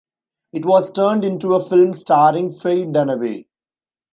It was turned into a film starring Faye Dunaway.